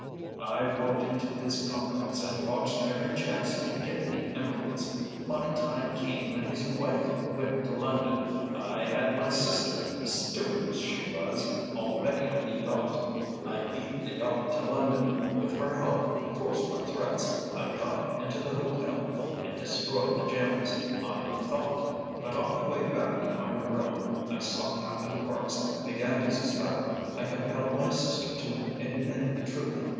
"I worked into his confidence, and watched every chance to get the emeralds. My time came when his wife went to London. I had my sister—stewardess, she was—already on the yacht. "I beat the yacht to London. With her help—forced by threats—I got into the hotel and destroyed the gems—I thought. But on the way back to my room I saw Captain Parks, and began to suspect. I compelled my sister to admit the truth.